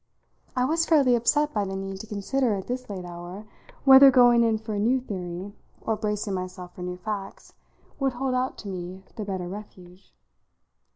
I was fairly upset by the need to consider at this late hour whether going in for a new theory or bracing myself for new facts would hold out to me the better refuge.